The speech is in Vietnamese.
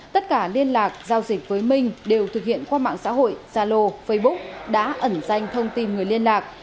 tất cả liên lạc giao dịch với minh đều thực hiện qua mạng xã hội zalo facebook đã ẩn danh thông tin người liên lạc